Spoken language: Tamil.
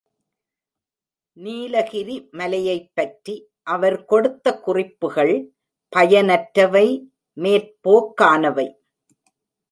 நீலகிரி மலையைப் பற்றி அவர் கொடுத்த குறிப்புகள் பயனற்றவை மேற்போக்கானவை.